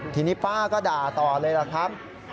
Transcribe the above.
ทีนี้ป้าก็ด่าต่อเลยล่ะครับ